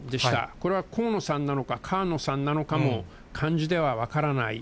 これはこうのさんなのか、かわのさんなのかも漢字では分からない。